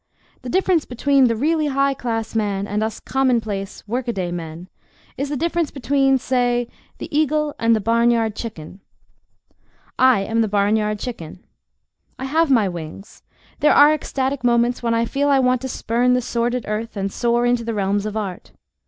The difference between the really high class man and us commonplace, workaday men is the difference between, say, the eagle and the barnyard chicken. I am the barnyard chicken. I have my wings. There are ecstatic moments when I feel I want to spurn the sordid earth and soar into the realms of art.